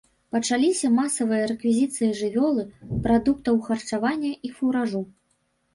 Пачаліся масавыя рэквізіцыі жывёлы, прадуктаў харчавання і фуражу.